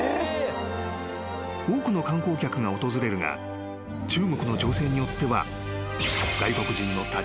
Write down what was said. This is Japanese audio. ［多くの観光客が訪れるが中国の情勢によっては］